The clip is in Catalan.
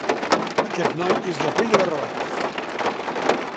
Aquest noi és la pell de Barrabàs.